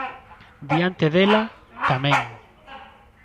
Diante dela, tamén.